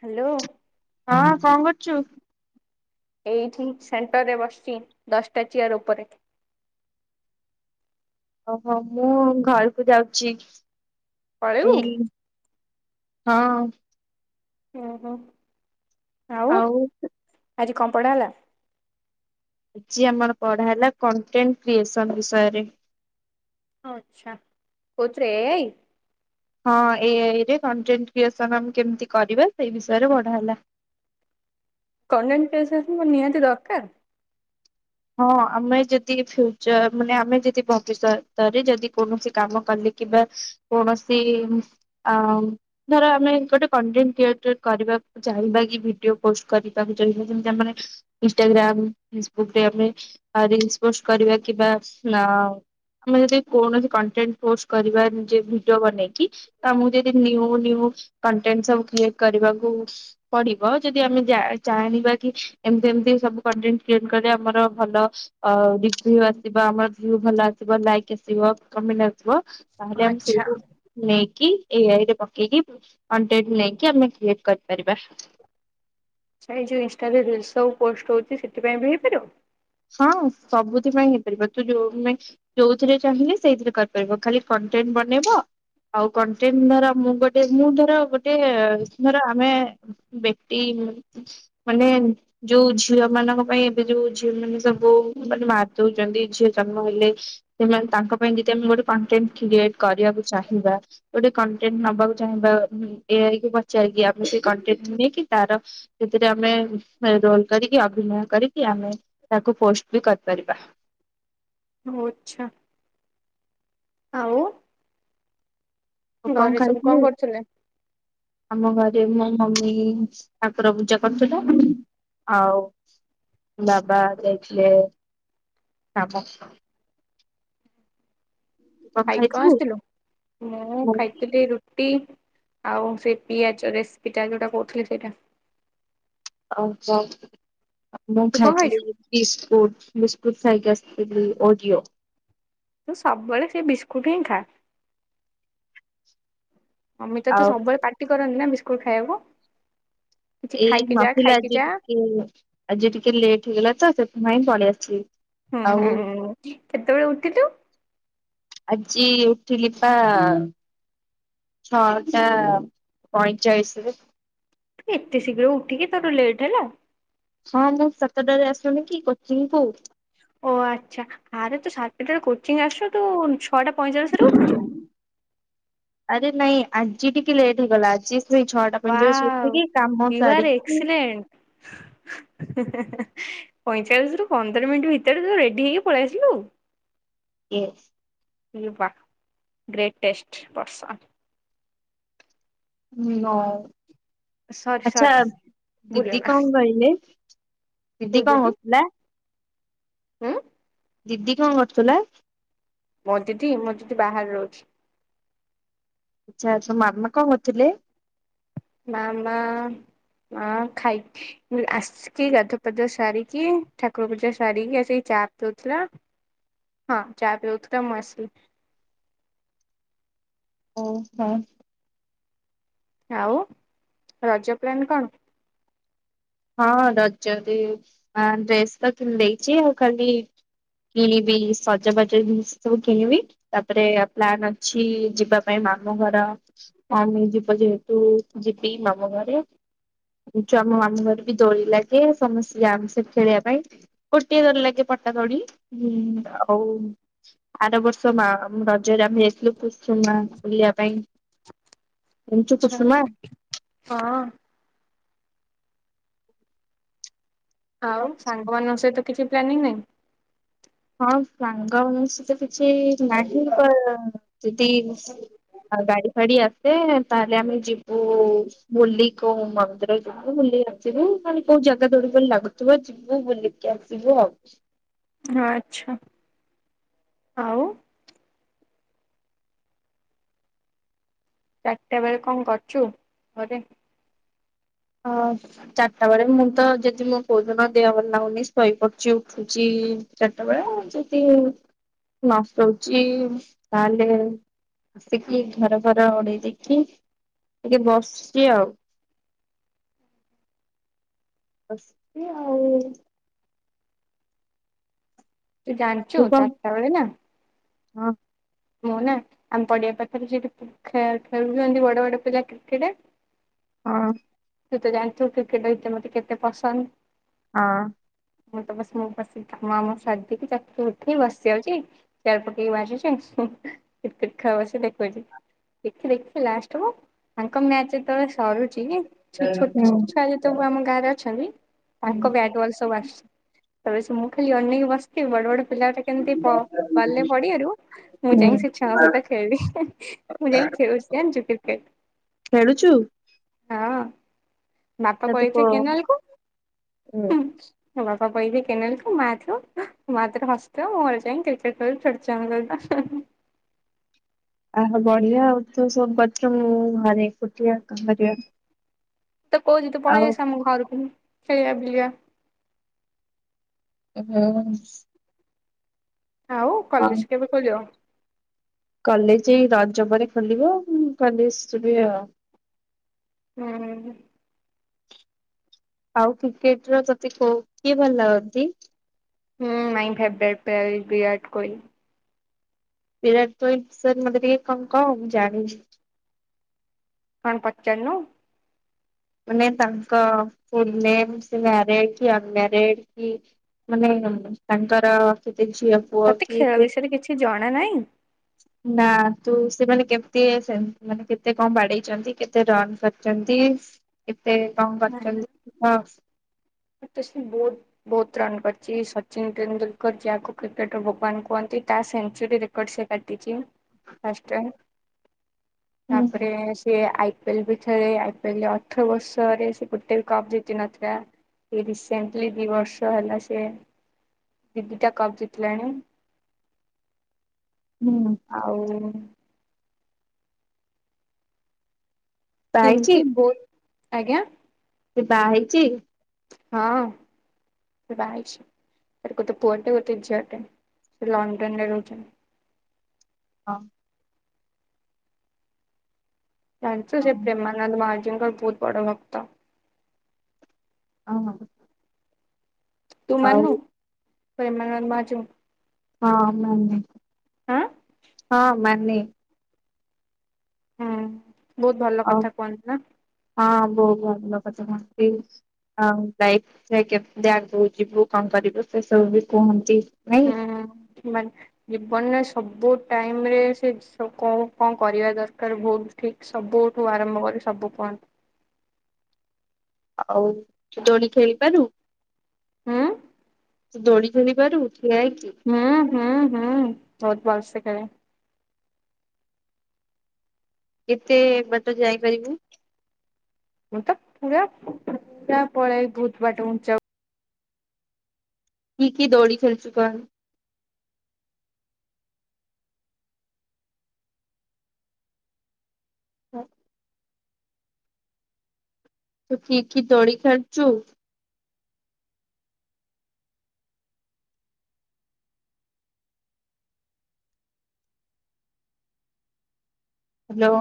Hello. ହଁ କଣ କରୁଛୁ? ଏଇଠି ସେଣ୍ଟରରେ ବସିଛି ଦଶଟା ଚିୟାର ଉପରେ ଓହୋ ମୁଁ ଘରକୁ ଯାଉଛି। କଉ ଏଇ ହଁ। ହୁ ହୋ। ଆଉ ଆଜି କଣ ପଢଡା ହେଲା। ଆଜି ଆମର ପଢା ହେଲା କଣ୍ଟେଣ୍ଟ କ୍ରିଏସନ ବିଷୟରେ ଆଚଛା କଛ ରହ ଆାଇ ହଁ ଏରେ କଣ୍ଟେଣ୍ଟ କ୍ରିଏସନ ଆମେ କେମିତି କରିବା ସେଇ ବିଷୟରେ ବଡ ହେଲା। କେଣ୍ଟ ନିହାତି ଦରକାର ହଁ ଆମେ ଯଦି ଫ୍ୟୁଚର ମାନେ ଆମେ ଯଦି ଭବିଷ୍ୟତରେ ଯଦି କୌଣସି କାମ କଲେ କିମ୍ବା କୌଣସି ଧର ଆମେ ଗୋଟେ କଣ୍ଟେଣ୍ଟ କ୍ରିଏଟର କରିବାକୁ ଚାହିଁବା କି ଭିଡିଓ ପୋଷ୍ଟ କରିବାକୁ ଚାହିଁବା ଯେମିତି ଆମର ଇନଷ୍ଟାଗ୍ରାମ ଫେସବୁକ୍ ର ପ କରିବା କିମ୍ବା ଆମେ ଯଦି କୌଣସି କଣ୍ଟେଣ୍ଟ ପୋଷ୍ଟ କରିବା ନି ଭିଡିଓ ବନେଇକି ଆମକୁ ଯଦିୁ କଣ୍ଟେଣ୍ଟ ସବୁ କ୍ରିଏଟ କରିବାକୁ ପଡିବ ଯଦି ଆମେ ଜାଣିବା କି ଏମତି ଏମିତି ସବୁ କଣ୍ଟେଣ୍ଟ ଆମର ଭଲ ର୍ୟୁ ଆସିବ ଆମର ଭୁ ଭଲ ଆସିବ ଲାଇକ୍ ଆସିବ କମେଣ୍ଟ ଆସିବ । ତାହେଲେ ଆମେ ଆଚ୍ଛା ସେଇଠୁ ନେଇକି ଏଆଇରେ ପକେଇକି କଣ୍ଟେଟ ନେଇକି ଆମେ କ୍ରିଏଟ କରିପାରିବା। ଯୋଉ ଇନ ର ସୁ ପଷ୍ଟ ହଛି ସେଥିପାଇଁ ହେଇପାରିବ। ହଁ ସବୁଥିପାଇ ହେଇପାରିବ ତୁ ଯୋଉ ଯୋଉଥିରେ ଚାହିଁଲି ସେଇଥିରେ କରିପାରିବ ଖାଲି କଣ୍ଟେଣ୍ଟ ବନେଇବ ଆଉ କଣ୍ଟେଣ୍ଟ ଧର ମୁଁ ଗୋଟେ ମୁଁ ଧର ଗୋଟେ ଧର ଆମେ ବ୍ୟକ୍ତି ମାନେ ଯୋଉ ଝିଅ ମାନଙ୍କ ପାଇଁ ଏବେ ଯୋଉ ଉମାନୋନ ସବୁ ମାନେ ମାରିଦଉଛନ୍ତି ଝିଅ ଜନ୍ମ ହେଲେ ସେମାନେ ତାଙ୍କ ପାଇଁ ଯଦି ଆମେ ଗୋଟେ କଣ୍ଟେଣ୍ଟ କ୍ରିଏଟ କରିବାକୁ ଚାହିଁବା ଗୋଟେ କଣ୍ଟେଣ୍ଟ ନବାକୁ ଚାହିଁବା ଏଆକି ପଚାରକି ଆମେ ସେ କଣ୍ଟେଣ୍ଟ ନେଇକି ତାର ସେଥିରେ ଆମେ ରୋଲ କରିକି ଅଭିନୟ କରିକି ଆମେ ତାକୁ ପୋଷ୍ଟ ବି କରିପାରିବା। ଓ ଆଛା। ହଉ। ଆଉ ଘରେ ସବୁ ଖାଇଥିଲୁ କଣ କରୁଥିଲେ? ଆମ ଘରେ ମୋ ମମି ଠାକୁର ପୂଜା କରୁଥିଲା ଆଉ ବାବା ଯାଇଥିଲେ କାମ ଖାଇ କଣ ଆସିଥିଲୁ ମୁଁ ଖାଇଥିଲି ରୁଟି। ଆଉ ସେ ପିଆଜ ରେସିପି ଟା ଯୋଉଟା କହୁଥିଲି ସେଇଟା ଆଚ୍ଛା। ମୁଁ ତୁ କଣ ଖାଇଛୁ? ଖାଇଥିଲି ବିସ୍କୁୁଟ ବି ଗୁ ସାାଇକ ଆସ ଓଡିଓ ତୁ ସବୁବେଳେ ସେଇ ବିସ୍କୁଟ ହିଁ ଖା ଅମିତା ତ ଆଉ ସବୁବେଳେ ପାଟି କରନ୍ତି ନା। କୋଉ ଖାଇବୁ। ଏଇ ମାଫିଲା ଆଜି ଟିକେ ଆଜି ଟିକେ ଲେଟ୍ ହେଇଗଲା ତ ସେ ମୁଁାଇଁ ପଳ ଆସିବଛି। ହଁ ହଁ ହଁ। କେତେବେଳେ ଉଠିଲୁ ଆଜି ଉଠିଲି ବା ଛଅଟା ପଇଁଚାଳିଶରେ ଏତେ ଶୀଘ୍ର ଉଠିକି ତର ଲେଟ୍ ହେଲା ହଁ ମୁଁ ସାତଟାରେ ଆସୁନି କି କୋଚିଂ କୁ ଓ ଆଚ୍ଛା ଆ ତୁ ସାର୍ପେଟ କୋଚିଂ ଆସ ତୁ ଛଅଟା ପଇଁଚାଳିଶରେ ଉଠୁଛୁ ଆରେ ନାଇଁ ଆଜି ଟିକେ ଲେଟ୍ ହେଇଗଲା ଆଜି ସେଇ ଛଅଟା ଓ ପଇଁଚାଳିଶ ଉଠିକି କାମ ୟୁ ଆର ସାରିକି ଏକ୍ସଲେଣ୍ଟ ପଇଁଚାଳିଶ ରୁ ପନ୍ଦର ମିନିଟ୍ ଭିତରେ ତ ରେଡି ହେଇକି ପଳେଇ ଆସିଲୁ ଏସ୍ ବା ଗ୍ରେଟେଷ୍ଟ ପର୍ସନ୍ ହ ହ ସରି ଆଚଛା ସରି ଦିଦି ଭୁଲିଗଲା କଣ କହିଲେ ହ ସିଦି କଣ ହୋସିଲ ହଁ ଦିଦି କଣ କରୁଥିଲା ମଁ ଦିଦି ମୁଁ ଦିଦି ବାହାରେ ରହୁଛି ଆଚଛା ତ ମାର୍ମା କଣ ଅଥିଲେ ମାମା ମା ଖାଇକି ଆସିକି ଗାଧପଧ ସାରିକି ଠାକୁର ପୂଜା ସାରିକି ଆସିକି ଚା ପିଉଥିଲା ହଁ ଚା ପିଉଥିଲା ମୁଁ ଆସିଲ ଓ ହ ଆଉ ରଜ ପ୍ଲାନ କଣ ହଁ ରଜରେ ଡ୍ରେସ୍ ତ ଦେଇଛି ଆଉ ଖାଲି କିଣିବି ସଜବାଜ ଜିନିଷ ସବୁ କିଣିବି ତାପରେ ପ୍ଲାନ୍ ଅଛି ଯିବା ପାଇଁ ମାମୁଁ ଘରମେ ଯିବ ଯେହେତୁ ଯିବି ମାମୁ ଘରେଛୁ ଆମ ମାମୁଁ ଘରେ ଦୋଳି ଲାଗେ ସମସ୍ତେ ଆାମ ସେ ଖେଳିବା ପାଇଁ ଗୋଟିଏ ଦୋରି ଲାଗେ ପଟା ଦୋଳିଁ ଆଉ ଆର ବର୍ଷ ମା ରଜରେ ଆମେ ଯାଇଥିଲୁ ପୁ ମା ବୁଲିବା ପାଇଁ ଜାଣିଛୁ ଆଛା କୁସୁମା? ହଁ ଆଉ ସାଙ୍ଗମାନାନଙ୍କ ସହିତ କିଛି ପ୍ାନିଂ ନହିଁ ହଁ ସାଙ୍ଗ ଅନୁସିତ କିଛି ନାହିଁ ଯଦି ଗାଡି ଫାଡି ଆସେ ତାହେଲେ ଆମେ ଯିବୁ ବୁଲି କୋଉ ମନ୍ଦିର ଯିବୁ ବୁଲିକ ଆସିବୁ ଖହ କୋଉ ଜାଗା ଦୌଡିବ ଲାଗୁଥିବ ଯିବୁ ବୁଲିକି ଆସିବୁ ଆଉ ହ ଆଚ୍ଛା ଆଉ ଚାରିଟା ବଳେ କଣ କରଛୁ ଘରେ ହଁ ଚାରିଟା ବେଳେ ମୁଁ ତ ଯଦି ମୋ ଭୋଜନ ଦିହବାର ଲାଗୁନି ଶୋଇପଡୁଛି ଉଠୁଛି ଚାରିଟା ବେଳେଉ ଯଦି ନଷ୍ଟ ହଉଛି ତାହେଲେ ଆସିକି ଘର ଘର ଓଡ଼େଇ ଦେଇକି ଟିକେ ବସଛି ଆଉ ବସ୍ ଆଉ ତୁ ଜଣିଛୁ ଚାରଟା ବେଳେ ନା ହଁ ମୁଁ ନା ଆମ ପଡିଆ ପାଖରେ ସେଠି ଖେଳୁଛନ୍ତି ବଡ ବଡ ପିଲା କ୍ରିକେଟ ହଁ ତୁ ତ ଜାଣିଥୁ କ୍ରିକେଟ ଭିତେ ମତେ କେତେ ପସନ୍ଦ ହଁ ମୁଁ ତ ବସ ମୁଁ ବସି ମା ମୋ ସାଧି ତାରୁ ଉଠିକି ବସି ଯାଉଛି ଚାର ପକେଇକି ବାଜୁଛି ଟ ଖେ ସେ ଦେଖୁଛି ଦେଖି ଦେଖି ଲାଷ୍ଟ ମୁ ତାଙ୍କ ମ୍ୟାଚତେବେଳେ ସରୁଛି କି ଛୋଟ ହୁଁ ଛୁଆ ତବୁ ଆମ ଗାଁରେ ଅଛନ୍ତି ତାଙ୍କ ହୁଁ ବ୍ୟାଡୱଲ ସବୁ ଆସିୁଛି ତ ସେ ମୁଁ ଖାଲି ଅନେକ ବସ୍ତି ବଡ଼ବଡ଼ ପିଲାଟା କେମିତି ବାେ ବଲେ ପଡିିବାରୁ ମୁଁ ହୁଁ ଯାଇି ଛ ସହ ଟେ ସହିତ ଖେଳିଲି ମୁଁ ଯାଇି ଖେଳୁଚି ଆ କ୍ରିକେଟ୍ ପ୍ଲେ ଖେଳୁଚୁ। ବାପା ପଛ କେନାଲ କୁ। ହୁଁ ମୋ ବାପା ପଳେଇବେ କେନାଲକୁ ମାୁ ଝିଅ ମା ତାର ହସୁଥିବ। ମୁଁ ଘର ଯାଇ କ୍ରିକେଟ ଖେଳି ଫେଚ ହେଁ ହେଁ। ଆହୋ ବଢିଆ ତୁ ସବୁ କରୁଚୁ, ମୁ ଘରେ ଏକୁଟିଆ ତ କହୁଛି ତୁ ପଳେଇ ଆଉ ଆସେ ଆମ ଘରକୁ। ସେଲଆ ବୁଲିବା। ହଁ। ଆଉ କଲେଜ କେବେ ଖୋଲିବ? କଲେଜ ଏଇ ରଜ ପରେ ଖୋଲିବ। କଲେଜ ଯିବି ଆଉ। ହୁଁ । ଆଉ କ୍ରିକେଟ ର ତତେ କଉ କିଏ ଭଲ ଲାଗନ୍ତି? ହୁଁ ମାଇ ଫେବେରେଟ ବିରାଟ କହଲି। ବିରାଟଙ୍କ ବିଷୟରେ ମତେ ଟିକେ କଣ କ ମୁ ଜାଣିବି। କଣ ପଚାରୁନ? ମାନେ ତାଙ୍କ ଫ ମଡ କି ଅନ ମେରିଡ କି ମାନେ ତାଙ୍କର ଝିଅପୁଅ ତତେ କି ଖେଳ ସେ ବିଷୟରେ କିଛି ଜଣା ନାହିଁ ନା ତୁ ସେମାନେ କେମ ମାନେ କେତେ କଣ ବାଡେଇଛନ୍ତି କେତେ ରନ୍ କରିଛନ୍ତି? ସେ କଣ କରଚନ୍ତି ନ ମୁଁ ତ ସେ ବହୁତ ବହୁତ ରନ୍ କରିଚି। ସଚିନ ତେନ୍ଦୁଲକର ଯାହାକୁ କ୍ରିକେଟର ଭଗବାନ କୁହନ୍ତି ତା ସେଞ୍ଚୁରୀ ରେକର୍ଡ ସେ କାଟିଚି ଫାଷ୍ଟ ଟାଇ। ହୁଁ ତାପରେ ସେ ଆଇ ଇଲରେ ବି ଖେଳେ, ଆଇ ପି ଏଲ୍ ରେ ଅଠର ବର୍ଷରେ ସେ ଗୋଟେ ବି କପ ଜିତି ନଥିଲା। ସେ ରିସେଣ୍ଟଲି ଦି ବର୍ଷ ହେଲା ସେ ଦିଦିଟା କପ୍ ଜିତିଲାଣି। ହୁଁ ଆଉ। ବାହା ହେଇଛି କେମିତି ବହୁ ଆଜ୍ଞା। ସେ ବାହା ହେଇଚି? ହଁ ସେ ବାହା ହେଇଚି। ତାର ଗୋଟେ ପୁଅଟେ ଗୋଟେ ଝିଅଟେ। ସେ ଲଡନରେ ରହୁଛନ୍ତି। ହଁ। ଜାଣିଚୁ ସେ ହଁ ପ୍ରେମାନନ୍ଦ ଜିଙ୍ଗଲପୁତ ବଡ଼ ଭକ୍ତ। ଓ ହ। ତୁ ମାନୁ? ହ ପ୍ରେମାନନ୍ଦ ମହା ଯଉ? ହଁ ମାନେ। ହଁ ମାନେ ହୁଁ ବହୁତ ଭଲ ଆଉ କଥା କୁହନ୍ତି ନା ହଁ ବହୁତ ଭଲ ଲୋକନ୍ତି ଆ ଲାଇ କେମତି ଆଗଉ ଯିବୁ କଣ କରିବୁ ସେ ସବୁ ବି କୁହନ୍ତି! ନାଇଁ। ହୁଁ ବନ ସବୁ ଟାଇମ ରେ ସେ କଣ କଣ କରିବା ଦରକାର ବହୁତ ଠିକ ସବୁଠୁ ଆରମ୍ଭ କରି ସବୁ କୁହନ୍ତି? ଆଉ ତ ଦୋଣ ଖେଳିପାରୁ ହୁଁ ସେ ଦଡି ଧଲି ପାରୁିବଛି ହୁଁ ହୁଁ ହୁଁ ହଉତ ଭଲସ ହଁ କେତେ ବାଟ ଯାଇପାରିବୁ ମୁଁ ତ ପୁରା ପା ପଡେ ଭୁଥ ବାଟ ଉଞ୍ଚା କି କି ଦୋଳି ଖେଳିଚୁ କହନି ହଁ ତୁ କି କି ଦୋଳି ଖାଳିଚୁ ହ୍ୟାଲୋ